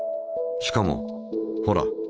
しかもほら